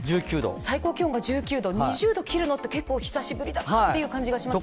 最高気温が１９度、２０度を切るのって結構久しぶりだったという気がしますね。